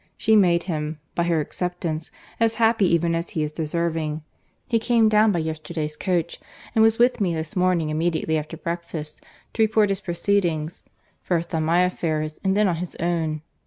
—She made him, by her acceptance, as happy even as he is deserving. He came down by yesterday's coach, and was with me this morning immediately after breakfast, to report his proceedings, first on my affairs, and then on his own.